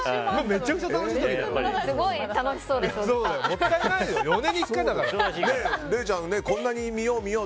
めちゃくちゃ楽しいよ。